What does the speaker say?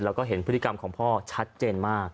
แล้วก็เห็นพฤติกรรมของพ่อชัดเจนมาก